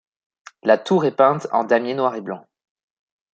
La tour est peinte en damier noir et blanc.